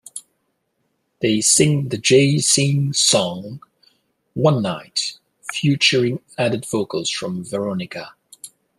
They sing the Jay Sean song "One Night," featuring added vocals from Veronica.